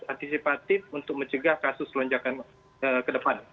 antisipatif untuk mencegah kasus lonjakan ke depan